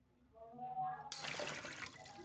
ایا ستاسو باغ به سمسور وي؟